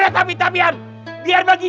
betul pak haji betul pak haji